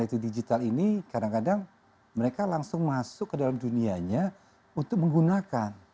itu digital ini kadang kadang mereka langsung masuk ke dalam dunianya untuk menggunakan